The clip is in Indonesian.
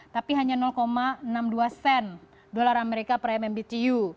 tapi hanya enam puluh dua sen dolar amerika per mmbtu